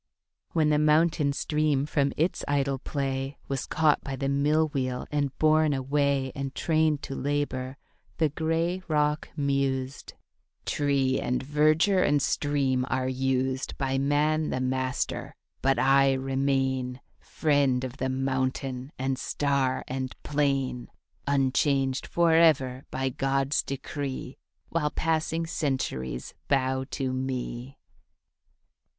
When the mountain stream from its idle play Was caught by the mill wheel and borne away And trained to labour, the gray rock mused, 'Tree and verdure and stream are used By man the master, but I remain Friend of the mountain and star and plain, Unchanged forever by God's decree While passing centuries bow to me.'